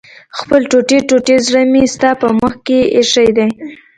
خپل ټوټې ټوټې زړه مې ستا په مخ کې ايښی دی